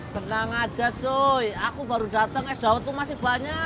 tenang aja cuy aku baru dateng es daun tuh masih banyak